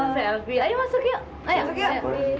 saja diperhatikan dulu di channel ini serviceland